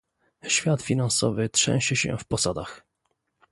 Świat finansowy trzęsie się w posadach